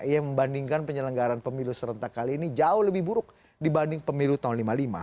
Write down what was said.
ia membandingkan penyelenggaran pemilu serentak kali ini jauh lebih buruk dibanding pemilu tahun seribu sembilan ratus lima puluh lima